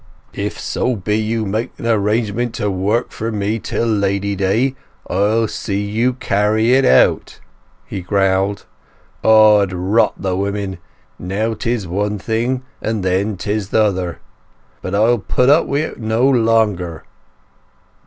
"If so be you make an agreement to work for me till Lady Day, I'll see that you carry it out," he growled. "'Od rot the women—now 'tis one thing, and then 'tis another. But I'll put up with it no longer!"